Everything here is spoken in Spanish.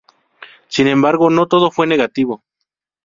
Sin embargo, no todo fue negativo.